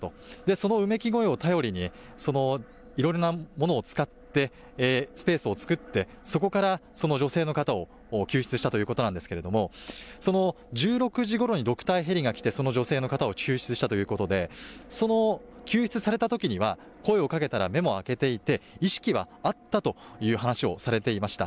そのうめき声を頼りに、そのいろいろなものを使って、スペースを作って、そこからその女性の方を救出したということなんですけれども、その１６時ごろにドクターヘリが来て、その女性の方を救出したということで、その救出されたときには、声をかけたら目も開けていて、意識はあったという話をされていました。